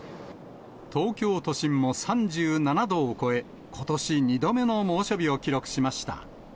東京都心も３７度を超え、ことし２度目の猛暑日を記録しました。